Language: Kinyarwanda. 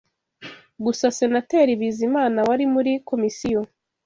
Gusa Senateri Bizimana wari muri Komisiyo